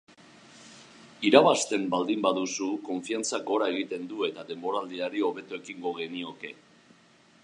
Irabazten baldin baduzu konfiantzak gora egiten du eta denboraldiari hobeto ekingo genioke.